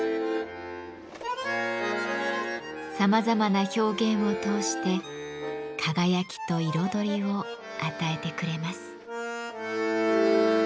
さまざまな表現を通して輝きと彩りを与えてくれます。